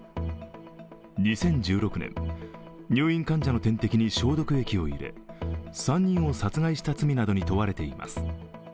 ２０１６年、入院患者の点滴に消毒液を入れ、３人を殺害した罪などに問われています。